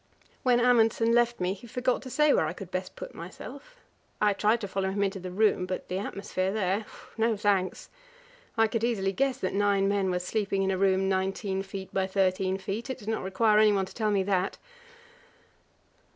When Amundsen left me he forgot to say where I could best put myself. I tried to follow him into the room, but the atmosphere there no thanks! I could easily guess that nine men were sleeping in a room 19 feet by 13 feet; it did not require anyone to tell me that.